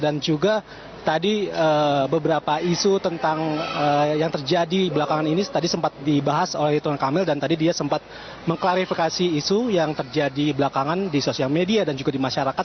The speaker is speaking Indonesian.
juga tadi beberapa isu tentang yang terjadi belakangan ini tadi sempat dibahas oleh ridwan kamil dan tadi dia sempat mengklarifikasi isu yang terjadi belakangan di sosial media dan juga di masyarakat